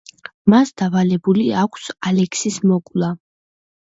მას დავალებული აქვს ალექსის მოკვლა.